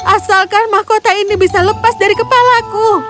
asalkan mahkota ini bisa lepas dari kepalaku